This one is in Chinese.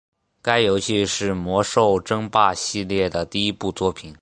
该游戏是魔兽争霸系列的第一部作品。